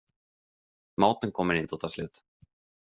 Maten kommer inte att ta slut.